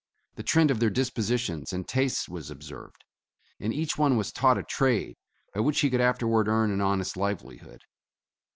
The trend of their dispositions and tastes was observed, and each one was taught a trade by which he could afterward earn an honest livelihood.